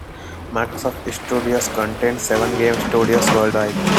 Microsoft Studios contains seven game studios worldwide.